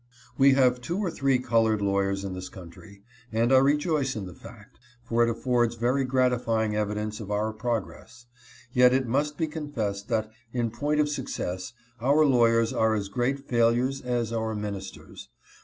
"We have two or three colored lawyers in this country; and I rejoice in the fact ; for it affords very gratifying evidence of our progress. Yet it must be confessed that, in point of success, our lawyers are as great failures as our ministers.